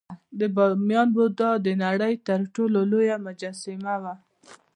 د بامیان بودا د نړۍ تر ټولو لویه مجسمه وه